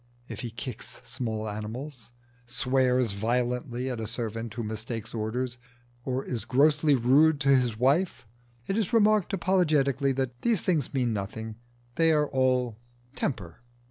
If he kicks small animals, swears violently at a servant who mistakes orders, or is grossly rude to his wife, it is remarked apologetically that these things mean nothing they are all temper.